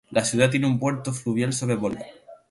La ciudad tiene un puerto fluvial sobre el Volga.